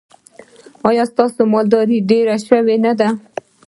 ایا ستاسو مالداري ډیره شوې نه ده؟